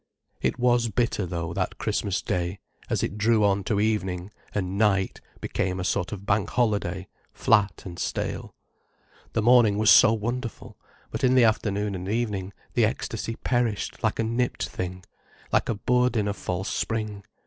It was bitter, though, that Christmas Day, as it drew on to evening, and night, became a sort of bank holiday, flat and stale. The morning was so wonderful, but in the afternoon and evening the ecstasy perished like a nipped thing, like a bud in a false spring.